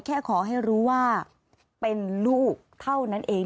แค่ขอให้รู้ว่าเป็นลูกเท่านั้นเอง